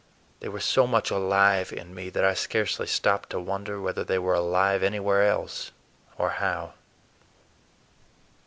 They were so much alive in me that I scarcely stopped to wonder whether they were alive anywhere else, or how.